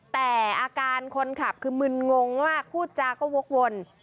แต่อาการคนขับคือมึนงงมากพูดจาก็วกวน